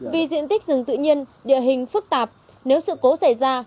vì diện tích rừng tự nhiên địa hình phức tạp nếu sự cố xảy ra